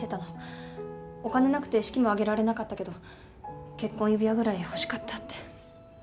お金なくて式も挙げられなかったけど結婚指輪ぐらい欲しかったって。